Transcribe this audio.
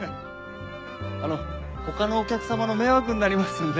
あの他のお客様の迷惑になりますんで。